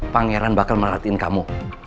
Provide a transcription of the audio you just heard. pangeran bakal merhatiin kamu